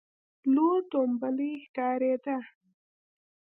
لور ټومبلی ښکارېده.